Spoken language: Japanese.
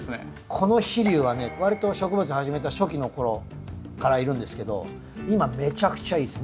この飛竜はねわりと植物始めた初期の頃からいるんですけど今めちゃくちゃいいです。